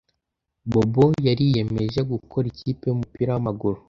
Bobo yariyemeje gukora ikipe yumupira wamaguru.